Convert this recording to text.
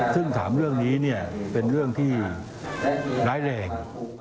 ซึ่ง๓เรื่องนี้เป็นเรื่องที่ร้ายแรง